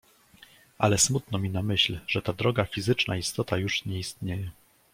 "Ale smutno mi na myśl, że ta droga, fizyczna istota już nie istnieje."